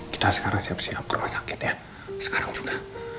kita sekarang siap siap ke rumah sakit ya sekarang juga